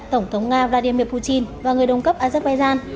tổng thống nga vladimir putin và người đồng cấp azerbaijan